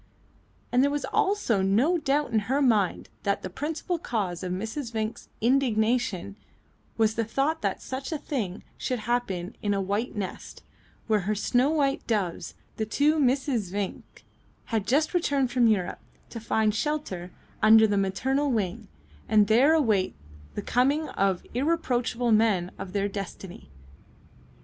And there was also no doubt in her mind that the principal cause of Mrs. Vinck's indignation was the thought that such a thing should happen in a white nest, where her snow white doves, the two Misses Vinck, had just returned from Europe, to find shelter under the maternal wing, and there await the coming of irreproachable men of their destiny.